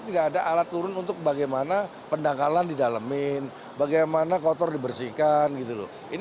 tidak ada alat turun untuk bagaimana pendangkalan didalemin bagaimana kotor dibersihkan gitu loh ini